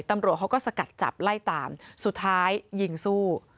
ตำรวจเขาก็สกัดจับไล่ตามสุดท้ายยิงสู้